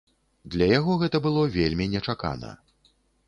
Для яго гэта было вельмі нечакана.